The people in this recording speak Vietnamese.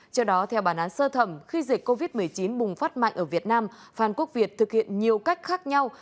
trước đó theo bản án sơ thẩm khi dịch covid một mươi chín bùng phát mạnh ở việt nam phan quốc việt thực hiện nhiều cách khác nhau